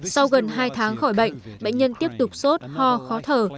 sau gần hai tháng khỏi bệnh bệnh nhân tiếp tục sốt ho khó thở